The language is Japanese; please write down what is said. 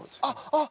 あっ！